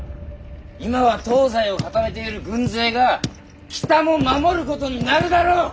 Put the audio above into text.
今は東西を固めている軍勢が北も守ることになるだろう！